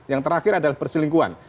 yang terakhir adalah perselingkuhan